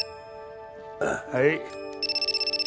はい。